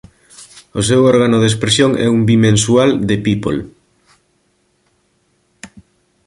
O seu órgano de expresión é un bimensual "The People".